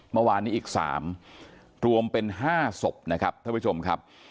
เมื่อวานนี้อีก๓รวมเป็น๕ศพนะครับท่านผู้ชมครับ